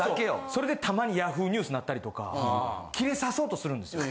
それでたまにＹａｈｏｏ！ニュースなったりとかキレさそうとするんですよ。